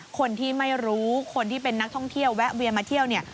คนที่ไม่รู้คนที่เป็นนักท่องเที่ยวแวะเวียนมาเที่ยวเนี่ย